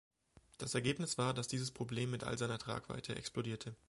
Das Ergebnis war, dass dieses Problem in all seiner Tragweite explodierte.